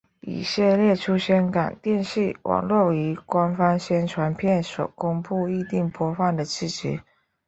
以下列出香港电视网络于官方宣传片所公布预定播放的剧集。